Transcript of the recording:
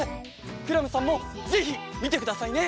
クラムさんもぜひみてくださいね！